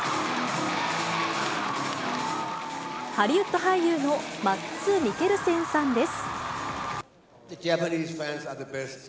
ハリウッド俳優のマッツ・ミケルセンさんです。